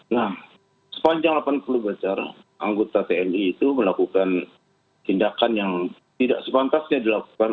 nah sepanjang delapan puluh meter anggota tni itu melakukan tindakan yang tidak sepantasnya dilakukan